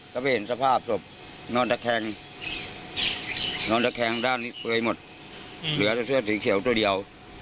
ก็ไปเห็นสภาพศพนอนตะแคงนอนตะแคงด้านนี้เปลือยหมดเหลือแต่เสื้อสีเขียวตัวเดียว